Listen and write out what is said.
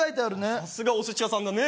さすがお寿司屋さんだね